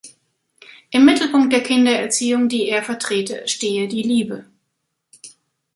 Im Mittelpunkt der Kindererziehung, die er vertrete, stehe die Liebe.